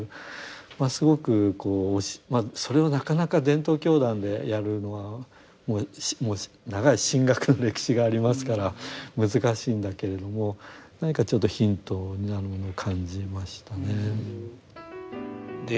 すごくこうそれをなかなか伝統教団でやるのはもう長い神学の歴史がありますから難しいんだけれども何かちょっとヒントになるものを感じましたね。